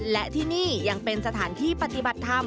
และที่นี่ยังเป็นสถานที่ปฏิบัติธรรม